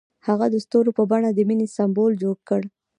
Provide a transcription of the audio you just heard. هغه د ستوري په بڼه د مینې سمبول جوړ کړ.